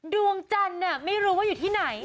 ดวงจันทร์ไม่รู้ว่าอยู่ที่ไหน